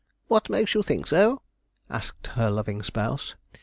'What makes you think so?' asked her loving spouse.